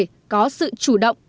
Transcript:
nông nghiệp có sự chủ động